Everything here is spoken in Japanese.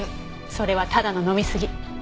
それはただの飲みすぎ。